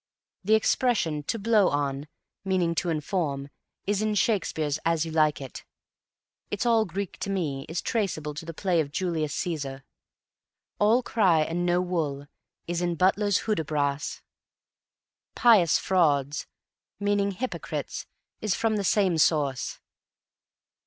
The expression "to blow on," meaning to inform, is in Shakespeare's "As You Like it." "It's all Greek to me" is traceable to the play of "Julius Caesar." "All cry and no wool" is in Butler's "Hudibras." "Pious frauds," meaning hypocrites, is from the same source.